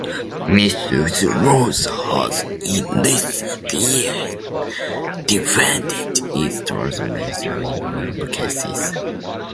Mister Softee has in recent years defended its trademarks in well-publicized cases.